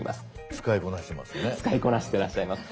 使いこなしてらっしゃいます。